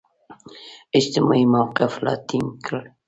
اجتماعي موقف لا ټینګ کړي.